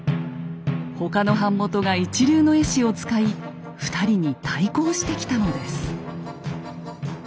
他の版元が一流の絵師を使い２人に対抗してきたのです。